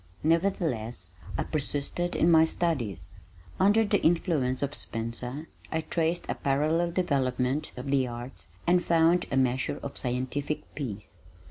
Nevertheless I persisted in my studies. Under the influence of Spencer I traced a parallel development of the Arts and found a measure of scientific peace.